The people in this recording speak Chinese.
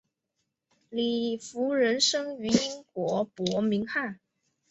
李福仁生于英国伯明翰。